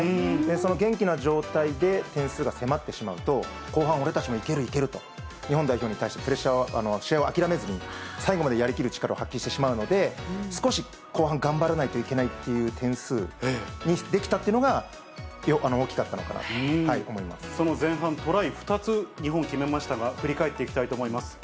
その元気な状態で点数が迫ってしまうと、後半、俺たちもいける、いけると日本代表に対してプレッシャーを、試合を諦めずに最後までやりきる力を発揮してしまうので、少し後半頑張らないといけないっていう点数にできたというのが、大きかその前半、トライ２つ、日本決めましたが、振り返っていきたいと思います。